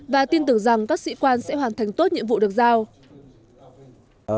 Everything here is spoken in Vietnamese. và tin tưởng rằng các sĩ quan sẽ hoàn thành tốt nhiệm vụ được giao